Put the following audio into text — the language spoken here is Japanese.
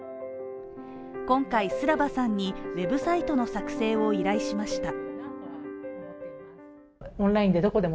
今回、スラバさんにウェブサイトの作成を依頼しました。